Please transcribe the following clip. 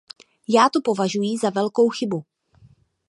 Já to považuji za velkou chybu.